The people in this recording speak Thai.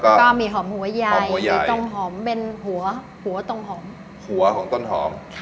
ก็มีหอมหัวใหญ่ต้นหอมเป็นหัวต้นหอม